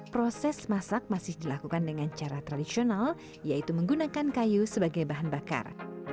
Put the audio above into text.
proses masak masih dilakukan dengan cara tradisional yaitu menggunakan kayu sebagai bahan bakar